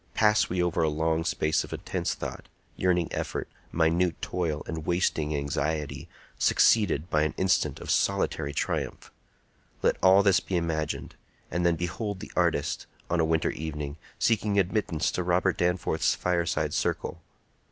Pass we over a long space of intense thought, yearning effort, minute toil, and wasting anxiety, succeeded by an instant of solitary triumph: let all this be imagined; and then behold the artist, on a winter evening, seeking admittance to Robert Danforth's fireside circle.